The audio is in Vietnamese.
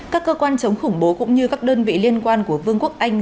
các cơ quan chống khủng bố cũng như các đơn vị liên quan của vương quốc anh